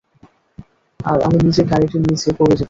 আর আমি নিজে গাড়িটির নিচে পরে যেতাম।